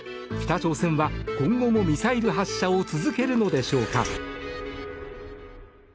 北朝鮮は今後もミサイル発射を続けるのでしょうか。